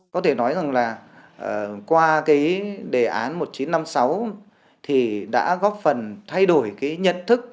có thể nói rằng là qua cái đề án một nghìn chín trăm năm mươi sáu thì đã góp phần thay đổi cái nhận thức